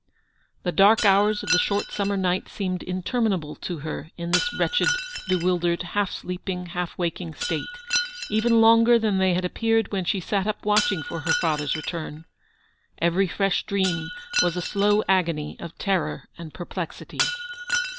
The dark hours of the short summer night seemed interminable to her in this wretched, bewildered, half sleeping, half waking state ; even L 2 148 longer than they had appeared when she sat up watching for her father's return. Every fresh dream was a slow agony of terror and perplexity.